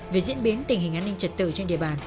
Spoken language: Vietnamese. về diễn biến tình hình an ninh trật tự trên địa bàn